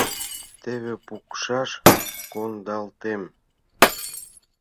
Теве пукшаш кондалтем...»